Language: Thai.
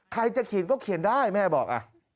ใครจะเขียนก็เขียนได้แม่บอก